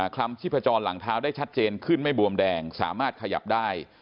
คำชีพจรหลังเท้าได้ชัดเจนขึ้นไม่บวมแดงสามารถขยับได้